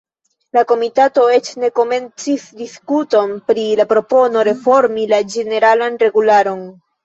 La komitato eĉ ne komencis diskuton pri la propono reformi la ĝeneralan regularon.